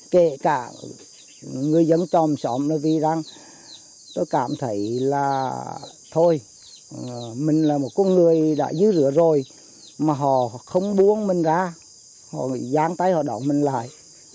kể cả người dân trong xóm tôi cảm thấy là thôi mình là một con người đã dư rửa rồi mà họ không buông mình ra họ dán tay họ đọc mình lại